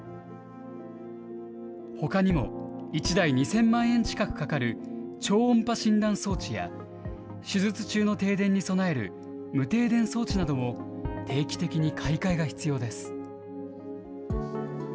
ほかにも１台２０００万円近くかかる超音波診断装置や、手術中の停電に備える無停電装置なども、定期的に買い換えが必要です。